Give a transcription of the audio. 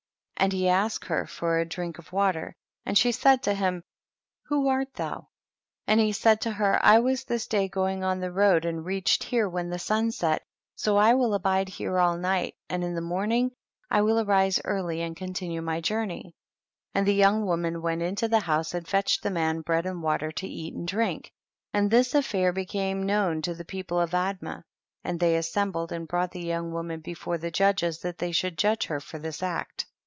38. And he asked her for a drink of water and she said to him, who art thou ? and he said to her I was this day going on the road, and reached here when the sun set, so I will abide here all night, and in the morning I will arise early and con tinue my journey. 39. And the young woman went into the house and fetched the man bread and water to eat and drink. 40. And this affair became known to the people of Admah, and they as sembled and brought the young wo man before the judges, that they should judge her for this act.